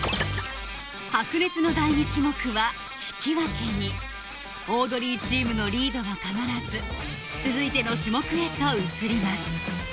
白熱の第２種目は引き分けにオードリーチームのリードは変わらず続いての種目へと移ります